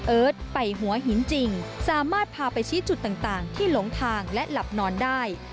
ไปหัวหินจริงสามารถพาไปชี้จุดต่างที่หลงทางและหลับนอนได้